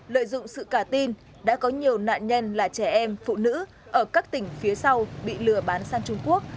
lợi dụng sự cả tin đã có nhiều nạn nhân là trẻ em phụ nữ ở các tỉnh phía sau bị lừa bán sang trung quốc